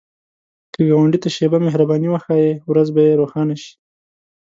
که ګاونډي ته شیبه مهرباني وښایې، ورځ به یې روښانه شي